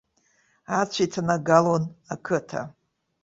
Ацәа иҭанагалон ақыҭа.